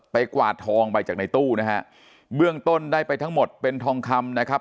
กวาดทองไปจากในตู้นะฮะเบื้องต้นได้ไปทั้งหมดเป็นทองคำนะครับ